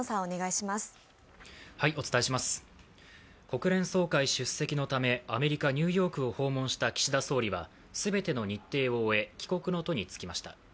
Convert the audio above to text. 国連総会出席のため、アメリカ・ニューヨークを訪問した岸田総理は、すべての日程を終え帰国の途につきました。